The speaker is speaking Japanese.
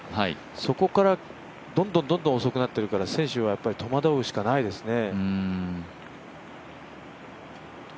そこから、どんどん遅くなっているから選手は戸惑うしかないですね。